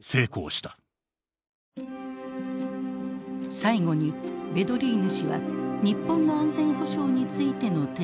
最後にヴェドリーヌ氏は日本の安全保障についての提言を行いました。